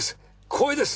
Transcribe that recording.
光栄です！